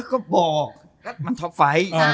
ก็บอกมันท็อไฟ